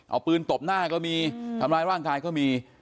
เอาปืนตบหน้าก็มีทำร้ายร่างกายก็มี